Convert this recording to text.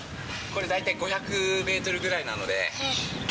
これ、大体５００メートルぐらいなので。